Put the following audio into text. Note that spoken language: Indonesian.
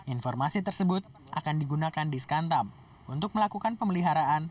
informasi tersebut akan digunakan di skantam untuk melakukan pemeliharaan